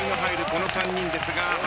この３人ですが。